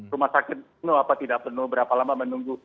rumah sakit penuh apa tidak penuh berapa lama menunggu